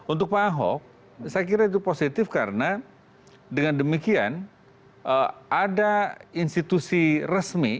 untuk pak ahok saya kira itu positif karena dengan demikian ada institusi resmi